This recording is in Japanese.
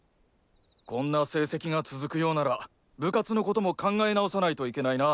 こんな成績が続くようなら部活のことも考え直さないといけないな。